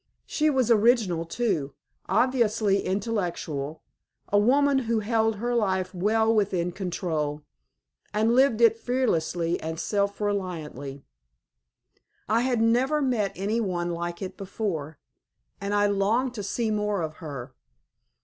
She was original too, obviously intellectual, a woman who held her life well within control, and lived it fearlessly and self reliantly. I had never met any one like it before, and I longed to see more of her.